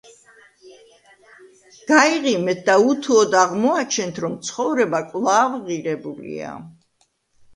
გაიღიმეთ და უთუოდ აღმოაჩენთ, რომ ცხოვრება კვლავ ღირებულია.